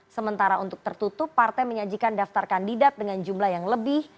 sementara untuk tertutup partai menyajikan daftar kandidat dengan jumlah yang lebih